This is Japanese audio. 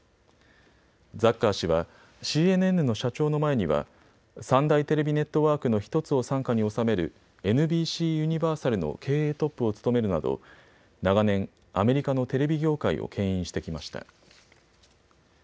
ザッカー氏はＣＮＮの社長の前には３大テレビネットワークの１つを傘下に収めるＮＢＣユニバーサルの経営トップを務めるなど、長年アメリカのテレビ業界をけん引してきました。